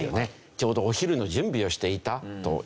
ちょうどお昼の準備をしていたというわけですね。